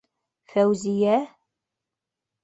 Фәүзиә?!